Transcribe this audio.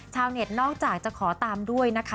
ชาวเน็ตนอกจากจะขอตามด้วยนะคะ